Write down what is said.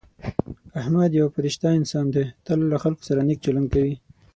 احمد یو ډېر فرشته انسان دی. تل له خلکو سره نېک چلند کوي.